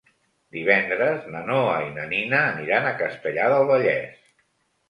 Divendres na Noa i na Nina aniran a Castellar del Vallès.